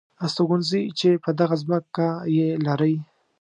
استوګنځي چې په دغه ځمکه یې لرئ .